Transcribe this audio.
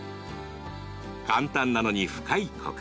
簡単なのに深いコク。